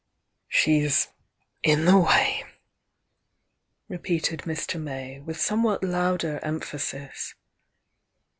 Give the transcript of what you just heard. "She's in the way," repeated Mr. May, with some what louder emphasis.